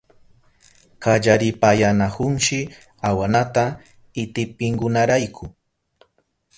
Kallaripayanahunshi awanata itipinkunarayku.